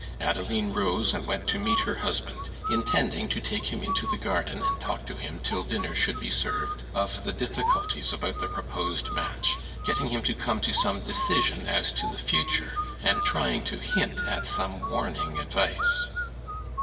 Adeline rose and went to meet her husband, intending to take him into the garden and talk to him till dinner should be served of the difficulties about the proposed match, getting him to come to some decision as to the future, and trying to hint at some warning advice.